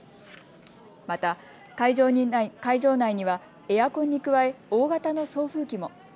また、会場内にはエアコンに加え、大型の送風機も。